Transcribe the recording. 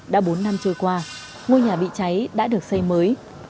đã bốn năm trôi qua ngôi nhà bị cháy đã được xây mới